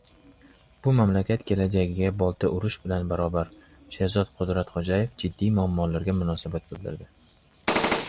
«Bu – mamlakat kelajagiga bolta urish bilan barobar!» Sherzod Qudratxo‘jayev jiddiy muammolarga munosabat bildirdi